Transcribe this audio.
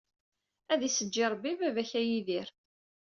Ad isejji Rebbi baba-k a Yidir.